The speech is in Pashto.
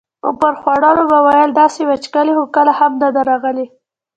عمر خوړلو به ویل داسې وچکالي خو کله هم نه ده راغلې.